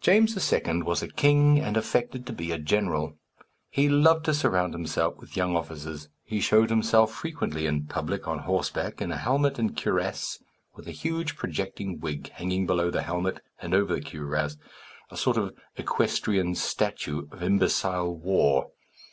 James II. was a king, and affected to be a general. He loved to surround himself with young officers. He showed himself frequently in public on horseback, in a helmet and cuirass, with a huge projecting wig hanging below the helmet and over the cuirass a sort of equestrian statue of imbecile war.